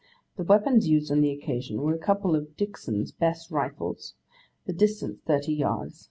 The weapons used on the occasion, were a couple of Dickson's best rifles; the distance, thirty yards.